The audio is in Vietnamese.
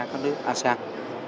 cho các nước asean